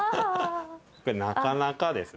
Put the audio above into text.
これなかなかですね。